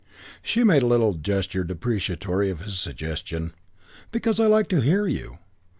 She made a little gesture deprecatory of his suggestion. "Because I like to hear you.